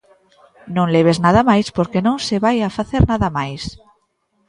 Non leves nada máis porque non se vai a facer nada máis.